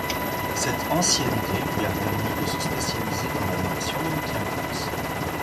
Cette ancienneté lui a permis de se spécialiser dans l'animation de Mickey Mouse.